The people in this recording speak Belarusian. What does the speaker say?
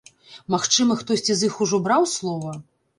Магчыма, хтосьці з іх ужо браў слова?